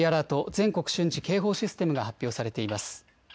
・全国瞬時警報システムが発表されています。